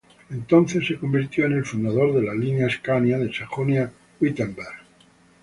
El entonces se convirtió en el fundador de la línea ascania de Sajonia-Wittenberg.